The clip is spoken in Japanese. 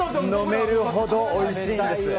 飲めるほどおいしいんです。